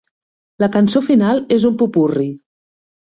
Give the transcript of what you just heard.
La cançó final és un popurri.